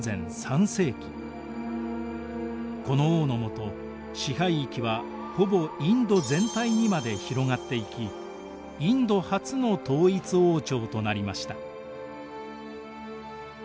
この王のもと支配域はほぼインド全体にまで広がっていきインド初の統一王朝となりました。